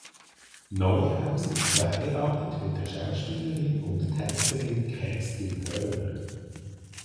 Neuhaus ist verheiratet mit der Schauspielerin und Tänzerin Kerstin Hörner.